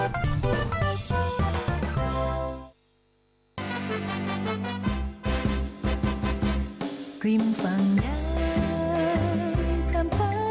โปรดติดตามตอนต่อไป